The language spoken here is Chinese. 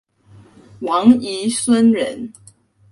王沂孙人。